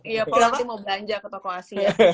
iya paul nanti mau belanja ke toko asia